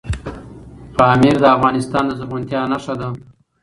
پامیر د افغانستان د زرغونتیا نښه ده.